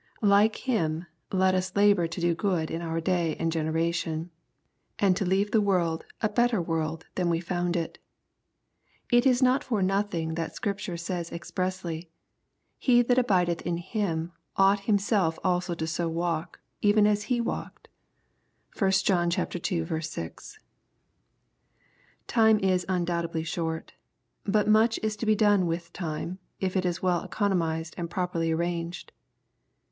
Like Him, let us labor *jo do good in our day and generation, and to lea^e the world a better world than we found it. It is not for nothing that the Scripture says expressly: "He that abideth in him ought himself also so to walk eren as he walked." (1 John ii. 6.) Time is undoubtedly short. But much is to be done with time, if it is well economised and properly arrang ed.